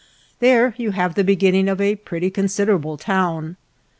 There you have the beginning of a pretty considerable town.